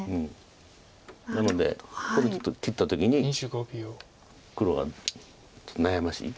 なのでこれちょっと切った時に黒が悩ましい。